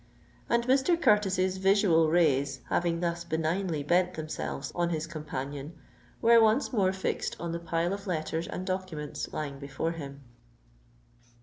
And Mr. Curtis's visual rays, having thus benignly bent themselves on his companion, were once more fixed on the pile of letters and documents lying before him.